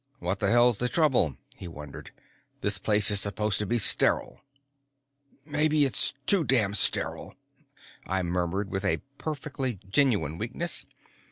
"What the hell's the trouble?" he wondered. "This place is supposed to be sterile." "Maybe it's too damn sterile," I murmured with a perfectly genuine weakness.